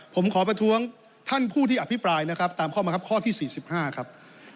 ผมขอประท้วงท่านผู้ที่อภิปรายนะครับตามข้อบังคับข้อที่๔๕ครับ